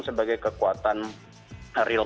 sebagai kekuatan real